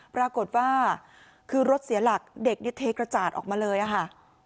ปรากฏว่าคือรถเสียหลักเด็กเทกระจาดออกมาเลยค่ะ